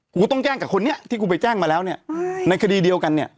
กูต้องแจ้งกับคนนี้ที่กูไปแจ้งมาแล้วเนี่ยในคดีเดียวกันเนี่ย